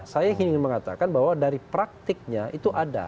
saya ingin mengatakan bahwa dari praktiknya itu ada